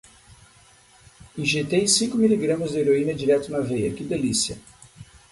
Injetei cinco miligramas de heroína direto na veia, que delícia!